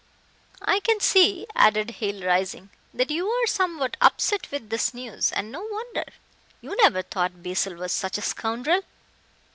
I can see," added Hale, rising, "that you are somewhat upset with this news, and no wonder. You never thought Basil was such a scoundrel."